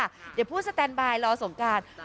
เดี๋ยวพูดสแตนบายรอสงการ